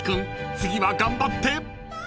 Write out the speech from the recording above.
次は頑張って］